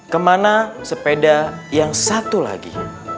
kemana sepeda yang satu lagi